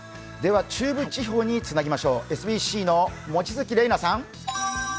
中部地方につなぎましょうＳＢＣの望月麗奈さん。